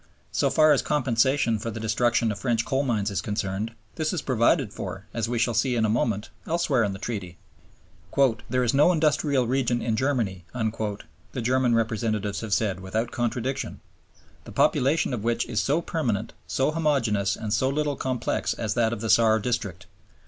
So far as compensation for the destruction of French coal mines is concerned, this is provided for, as we shall see in a moment, elsewhere in the Treaty. "There is no industrial region in Germany," the German representatives have said without contradiction, "the population of which is so permanent, so homogeneous, and so little complex as that of the Saar district.